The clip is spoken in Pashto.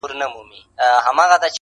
ځکه چي هغوی ژبه نه لري -